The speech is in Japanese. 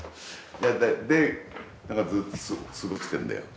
でずっと過ごしてるんだよ